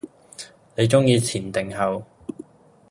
你鐘意前定後？